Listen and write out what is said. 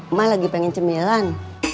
emang lagi pengen cemilan